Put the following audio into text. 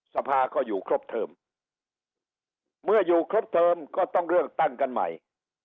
สภาก็อยู่ครบเทิมเมื่ออยู่ครบเทอมก็ต้องเลือกตั้งกันใหม่